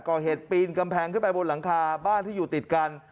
ปีนกำแพงขึ้นไปบนหลังคาบ้านที่อยู่ติดกัน